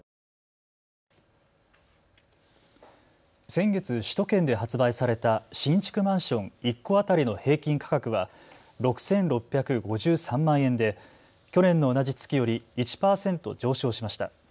先月首都圏で発売された新築マンション１戸当たりの平均価格は６６５３万円で去年の同じ月より１％上昇しました。